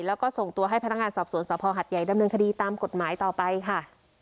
แล้วก็ส่งตัวให้พนักงานสอบสวนสภหัดใหญ่ดำเนินคดีตามกฎหมายต่อไปค่ะ